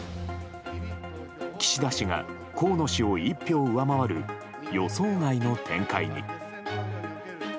岸田氏が河野氏を１票上回る予想外の展開に。